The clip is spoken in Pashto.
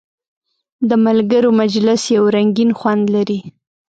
د ملګرو مجلس یو رنګین خوند لري.